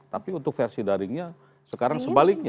tapi untuk versi daringnya sekarang sebaliknya